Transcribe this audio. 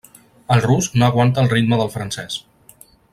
El rus no aguanta el ritme del francès.